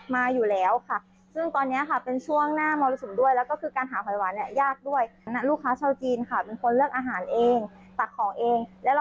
ลูกค้ากินแล้วแล้วเขาก็พยักหน้า